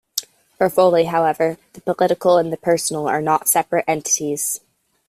For Foley however, the political and the personal are not separate entities.